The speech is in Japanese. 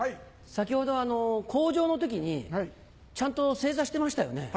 先ほど口上の時にちゃんと正座してましたよね？